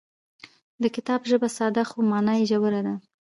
د کتاب ژبه ساده خو مانا یې ژوره ده.